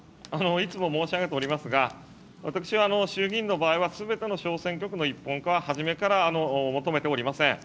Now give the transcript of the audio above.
いつも申し上げておりますが、私は衆議院の場合は、すべての小選挙区の一本化は初めから求めておりません。